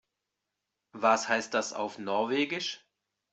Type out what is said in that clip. Was heißt das auf Norwegisch?